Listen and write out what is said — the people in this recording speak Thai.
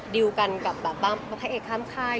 ดิวกันกับพระเอกข้ามค่ายหรืออะไรอย่างนี้ค่ะ